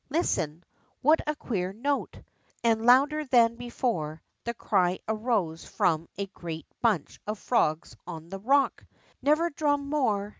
Listen ; wliat a queer note." And louder than before, the cry arose from a great bunch of frogs on the rock : R^ever drum more